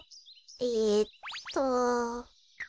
えっと。